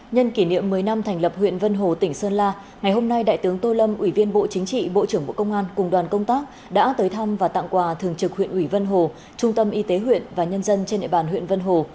nhân kỷ niệm một mươi năm thành lập huyện vân hồ tỉnh sơn la ngày hôm nay đại tướng tô lâm ủy viên bộ chính trị bộ trưởng bộ công an cùng đoàn công tác đã tới thăm và tặng quà thường trực huyện ủy vân hồ trung tâm y tế huyện và nhân dân trên địa bàn huyện vân hồ